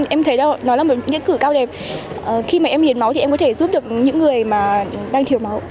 em thấy đâu nó là một nghĩa cử cao đẹp khi mà em hiến máu thì em có thể giúp được những người mà đang thiếu máu